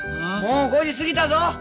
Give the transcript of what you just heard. もう５時過ぎたぞ。